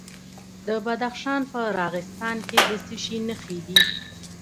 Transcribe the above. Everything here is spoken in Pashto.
د بدخشان په راغستان کې د څه شي نښې دي؟